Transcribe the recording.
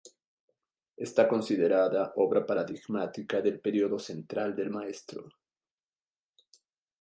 Está considerada obra paradigmática del período central del maestro.